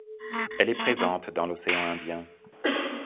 Elle est présente dans l'océan Indien.